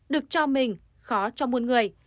được cho mình khó cho muôn người